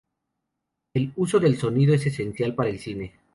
El uso del sonido es esencial para el cine...